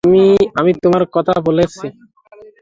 আমি তোমার সাথে কথা বলছি।